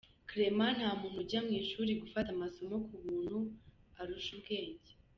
Clairement, nta muntu ujya mu ishuli gufata amasomo ku muntu arusha ubwenge!